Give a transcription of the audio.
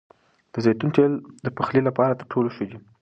د زیتون تېل د پخلي لپاره تر ټولو ښه دي.